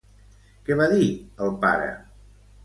Què va dir el pare?